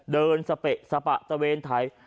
เดินเสบะสะปะตะเวนไทย